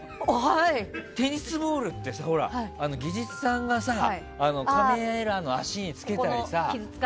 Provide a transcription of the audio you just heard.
テニスボールって技術さんがカメラの脚につけたりさ。